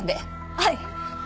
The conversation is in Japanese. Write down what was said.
はい！